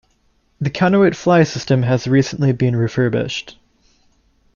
The counterweight fly system has recently been refurbished.